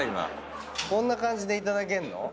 こんな感じで頂けんの？